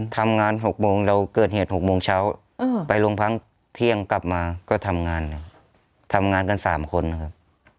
ทำงาน๖โมงเราเกิดเหตุ๖โมงเช้าไปโรงพักเที่ยงกลับมาก็ทำงานทำงานกัน๓คนนะครับ